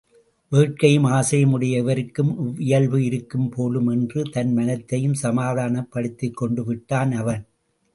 வேட்கையும் ஆசையும் உடைய எவருக்கும் இவ்வியல்பு இருக்கும் போலும் என்று தன் மனத்தையும் சமாதானப்படுத்திக் கொண்டுவிட்டான் அவன்.